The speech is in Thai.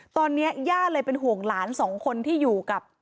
ตอนนี้ย่าเลยเป็นห่วงหลานสองคนที่อยู่กับ